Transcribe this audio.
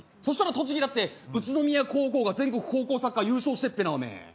そしたら栃木だって宇都宮高校が全国高校サッカー優勝してっぺなおめえ。